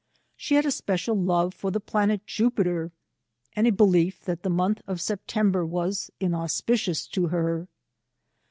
She had a special love for the planet Jupiter, and a behef that the month of September was in auspicious to her.